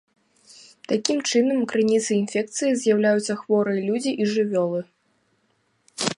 Такім чынам, крыніцай інфекцыі з'яўляюцца хворыя людзі і жывёлы.